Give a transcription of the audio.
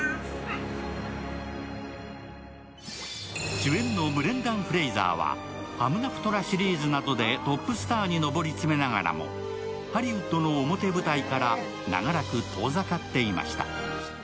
主演のブレンダン・フレイザーは「ハムナプトラ」シリーズなどでトップスターに上り詰めながらもハリウッドの表舞台から長らく遠ざかっていました。